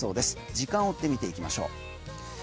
時間を追って見ていきましょう。